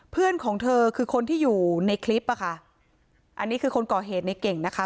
เพื่อนของเธอคือคนที่อยู่ในคลิปอ่ะค่ะอันนี้คือคนก่อเหตุในเก่งนะคะ